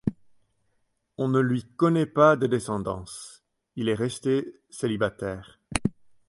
On ne lui connaît pas de descendance, il est resté célibataire.